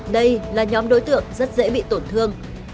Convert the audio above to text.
đây là nhóm đối tượng rất dễ bị tổn thương